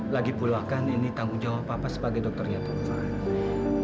lagi pulakan ini tanggung jawab papa sebagai dokternya tovan